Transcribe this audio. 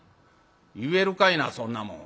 「言えるかいなそんなもん。